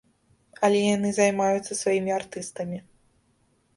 Але яны займаюцца сваімі артыстамі.